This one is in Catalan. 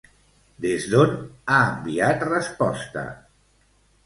Des d'on ha enviat resposta?